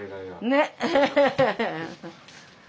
ねっ？